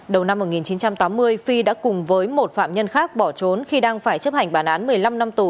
đầu năm một nghìn chín trăm tám mươi phi đã cùng với một phạm nhân khác bỏ trốn khi đang phải chấp hành bản án một mươi năm năm tù